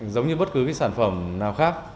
giống như bất cứ cái sản phẩm nào khác